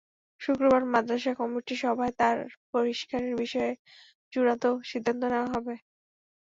শুক্রবার মাদ্রাসা কমিটির সভায় তাঁর বহিষ্কারের বিষয়ে চূড়ান্ত সিদ্ধান্ত নেওয়া হবে।